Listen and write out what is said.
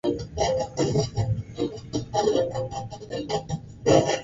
mpango uliopangwa kwa uhuru unaweza kuishia kutumia nishati